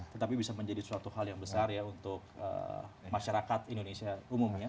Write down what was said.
tetapi bisa menjadi suatu hal yang besar ya untuk masyarakat indonesia umumnya